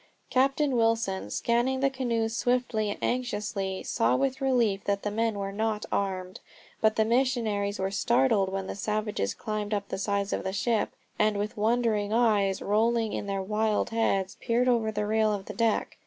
Captain Wilson, scanning the canoes swiftly and anxiously, saw with relief that the men were not armed. But the missionaries were startled when the savages climbed up the sides of the ship, and with wondering eyes rolling in their wild heads peered over the rail of the deck.